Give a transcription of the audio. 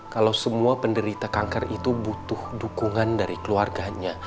kalau semua penderita kanker itu butuh dukungan dari keluarganya